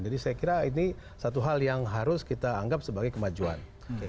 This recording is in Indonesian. jadi saya kira ini satu hal yang harus kita anggap sebagai kemajuan